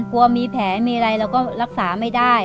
กลัวมีแผลมีอะไรเราก็รักษาไม่ได้